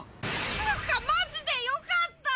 つかマジでよかった！